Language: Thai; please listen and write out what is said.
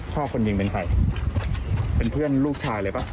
คนยิงเป็นใครเป็นเพื่อนลูกชายเลยป่ะ